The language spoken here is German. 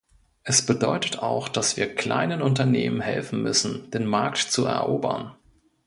Es bedeutet auch, dass wir kleinen Unternehmen helfen müssen, den Markt zu erobern.